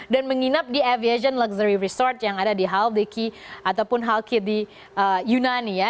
dan menginap di aviation luxury resort yang ada di haldiki ataupun halki di yunani ya